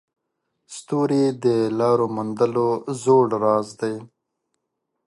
ستوري د لارو موندلو زوړ راز دی.